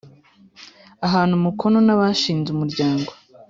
ahana umukono n abashinze umuryango